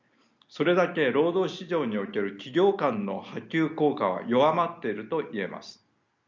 それだけ労働市場における企業間の波及効果は弱まっているといえます。